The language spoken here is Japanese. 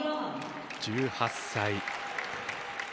１８歳。